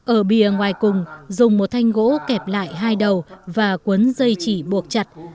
ở bìa ngoài cùng dùng một thanh gỗ kẹp lại hai đầu và cuốn dây chỉ buộc chặt